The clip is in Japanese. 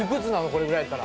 これぐらいやったら。